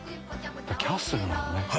キャッスルなのね」